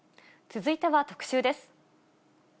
続いては特集です。